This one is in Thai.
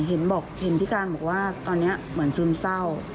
เห็นผิดการะบคว่าตอนนี้เหมือนซึมเศร้า